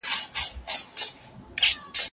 له کورنۍ پوهې پرته مینه نه حس کېږي.